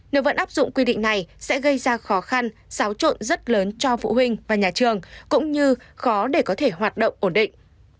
nếu vẫn áp dụng quy định này sẽ gây ra khó khăn xáo trộn rất lớn cho phụ huynh và nhà trường cũng như khó để có thể hoạt động ổn định